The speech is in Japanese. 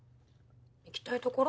行きたい所？